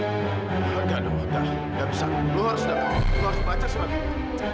gak dong gak bisa lu harus datang lu harus baca surat